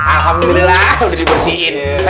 alhamdulillah sudah dibersihin